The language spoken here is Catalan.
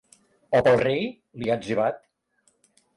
O pel rei?, li ha etzibat.